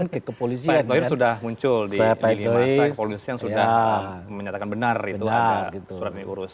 pak erlang tauhri sudah muncul di milih masa kepolisian sudah menyatakan benar itu ada surat ini diurus